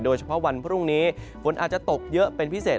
วันพรุ่งนี้ฝนอาจจะตกเยอะเป็นพิเศษ